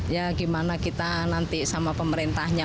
ya gimana kita nanti sama pemerintahnya